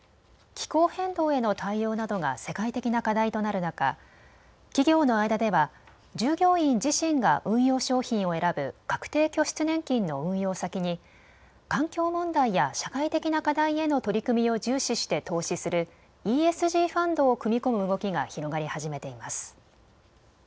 気候変動への対応などが世界的な課題となる中、企業の間では従業員自身が運用商品を選ぶ確定拠出年金の運用先に環境問題や社会的な課題への取り組みを重視して投資するＥＳＧファンドを組み込む動きが広がり始めています。